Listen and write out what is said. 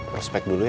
prospek dulu ya